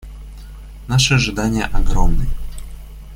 Наши ожидания огромны.